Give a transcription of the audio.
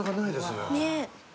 ねえ。